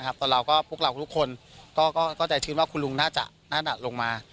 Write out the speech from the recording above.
ตอนนั้นพวกเราทุกคนก็จะชื่นว่าคุณลุงน่าจะดีลงมา